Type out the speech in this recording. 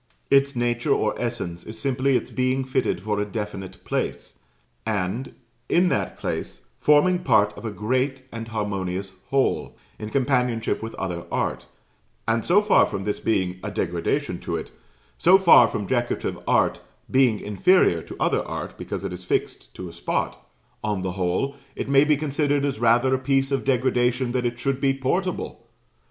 Its nature or essence is simply its being fitted for a definite place; and, in that place, forming part of a great and harmonious whole, in companionship with other art; and so far from this being a degradation to it so far from Decorative art being inferior to other art because it is fixed to a spot on the whole it may be considered as rather a piece of degradation that it should be portable.